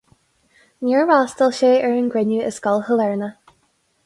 Níor fhreastail sé ar an gcruinniú i Scoil Shailearna.